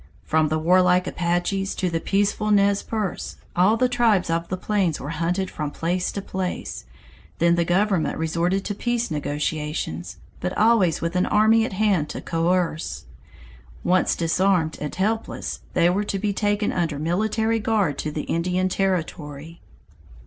From the warlike Apaches to the peaceful Nez Perces, all the tribes of the plains were hunted from place to place; then the government resorted to peace negotiations, but always with an army at hand to coerce. Once disarmed and helpless, they were to be taken under military guard to the Indian Territory.